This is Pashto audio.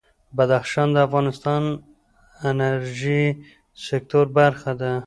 بدخشان د افغانستان د انرژۍ سکتور برخه ده.